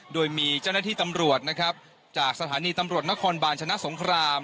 โดยมีเจ้าหน้าที่ตำรวจนะครับจากสถานีตำรวจนครบาลชนะสงคราม